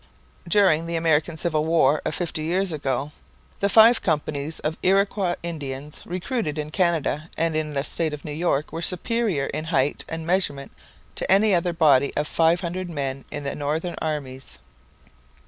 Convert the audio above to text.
During the American Civil War of fifty years ago the five companies of Iroquois Indians recruited in Canada and in the state of New York were superior in height and measurement to any other body of five hundred men in the northern armies.